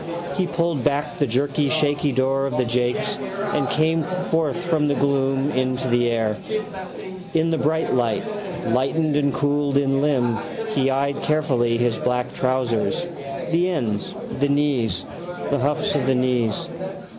He pulled back the jerky shaky door of the jakes and came forth from the gloom into the air. In the bright light, lightened and cooled in limb, he eyed carefully his black trousers: the ends, the knees, the houghs of the knees.